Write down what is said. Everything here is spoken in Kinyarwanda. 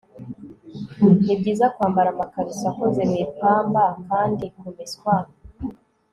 ni byiza kwambara amakariso akoze mu ipamba kandi kumeswa